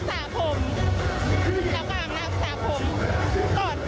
แล้วก็อาบน้ำสาผมแล้วก็อาบน้ำสาผม